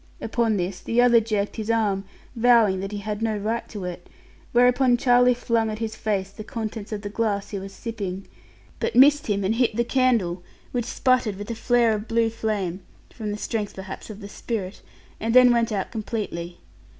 Upon this, the other jerked his arm, vowing that he had no right to it; whereupon Charlie flung at his face the contents of the glass he was sipping, but missed him and hit the candle, which sputtered with a flare of blue flame (from the strength perhaps of the spirit) and then went out completely.